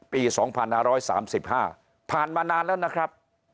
ปีสองพันหาร้อยสามสิบห้าผ่านมานานแล้วนะครับ